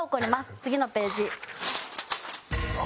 次のページ。